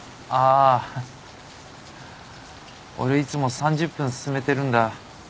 ああ俺いつも３０分進めてるんだ。